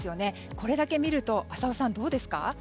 これだけ見ると浅尾さん、どうですか。